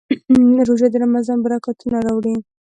روژه د رمضان برکتونه راوړي.